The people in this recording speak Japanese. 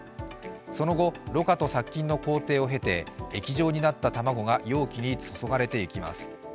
その後、ろ過と殺菌の工程を経て液状になった卵が容器に注がれていきます。